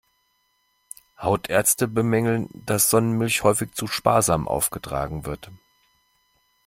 Hautärzte bemängeln, dass Sonnenmilch häufig zu sparsam aufgetragen wird.